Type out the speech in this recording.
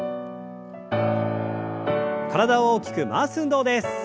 体を大きく回す運動です。